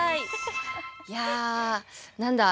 いや何だ。